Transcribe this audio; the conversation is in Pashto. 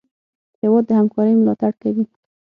هېواد د همکارۍ ملاتړ کوي.